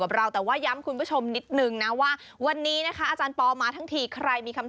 เราแต่ว่าย้ำคุณผู้ชมนิดนึงนะว่าวันนี้นะคะอาจารย์ปอมาทั้งทีใครมีคำ